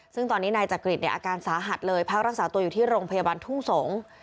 ซึ่งตอนนี้นายจักริตอาการสาหัสเลยพักรักษาตัวอยู่ที่โรงพยาบาลทุ่งสงศ์